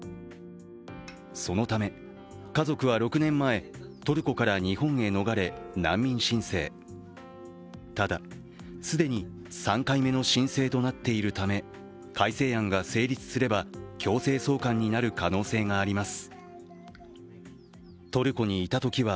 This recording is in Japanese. そのため、家族は６年前トルコから日本へ逃れ、難民申請。ただ既に３回目の申請となっているため、改正案が成立すれば強制送還になる可能性があります。